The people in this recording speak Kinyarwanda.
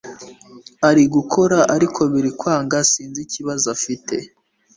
arigukora ariko birikwanga sinzi ikibazo afite